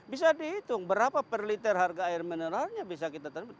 bisa dihitung berapa per liter harga air mineralnya bisa kita terbit